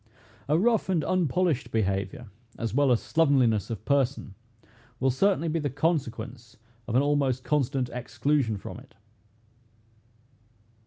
A rough and unpolished behavior, as well as slovenliness of person, will certainly be the consequence of an almost constant exclusion from it.